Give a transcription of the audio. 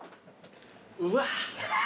うわ。